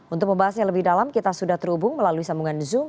untuk membahasnya lebih dalam kita sudah terhubung melalui sambungan zoom